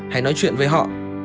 hãy nói chuyện với họ